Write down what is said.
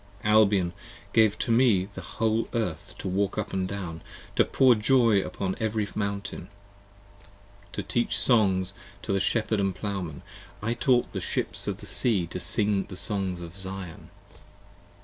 Albion gave me to the whole Earth to walk up & down; to pour Joy upon every mountain, to teach songs to the shepherd & plowman. I taught the ships of the sea to sing the songs of Zion.